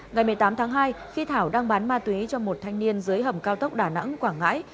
ngày một mươi tám tháng hai khi thảo đang bán ma túy cho một thanh niên dưới hầm cao tốc đà nẵng quảng ngãi